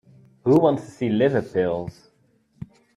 Who wants to see liver pills?